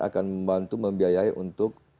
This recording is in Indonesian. akan membantu membiayai untuk